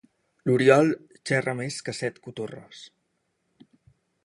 L'Oriol xerra més que set cotorres.